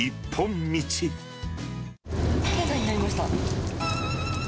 圏外になりました。